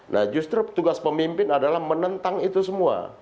nah justru tugas pemimpin adalah menentang itu semua